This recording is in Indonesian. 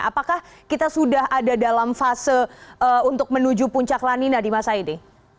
apakah kita sudah ada dalam fase untuk menuju puncak lanina di masa ini